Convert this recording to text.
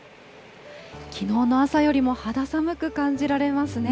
きのうの朝よりも肌寒く感じられますね。